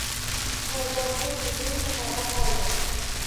Shifokor qiz bizning shaharda qoldi.